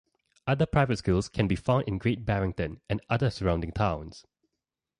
Other private schools can be found in Great Barrington and other surrounding towns.